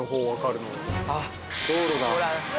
あっ、道路が。